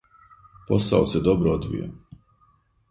Посао се добро одвија.